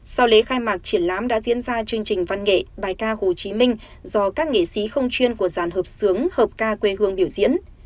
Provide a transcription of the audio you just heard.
sau lễ khai mạc triển lãm đã diễn ra chương trình văn nghệ bài ca hồ chí minh do các nghệ sĩ không chuyên của giàn hợp sướng hợp ca quê hương biểu diễn